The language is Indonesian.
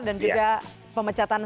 dan juga pemecatan